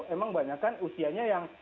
emang banyak kan usianya yang